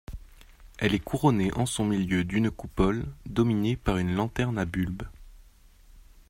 Elle est couronnée en son milieu d'une coupole, dominée par une lanterne à bulbe.